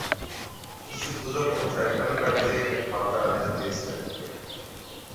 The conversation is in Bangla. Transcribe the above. কিছু গুজব অনুসারে খলিফা নিজেই নাকি হত্যার আদেশ দিয়েছিলেন।